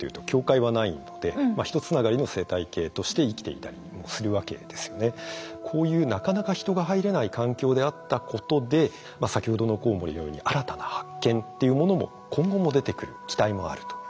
やはりこのこういうなかなか人が入れない環境であったことで先ほどのコウモリのように新たな発見っていうものも今後も出てくる期待もあると。